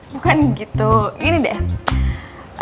bukan gitu gini deh